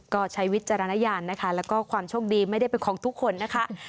ก็ใช้วิจารณญาณนะคะแล้วก็ความโชคดีไม่ได้เป็นของทุกคนนะคะ